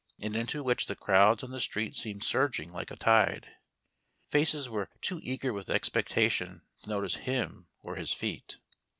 and into which the crowds on the street seemed surging like a tide. Faces were too eager with expectation to notice him or his feet.